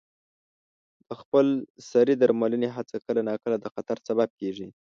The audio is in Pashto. د خپل سرې درملنې هڅه کله ناکله د خطر سبب کېږي.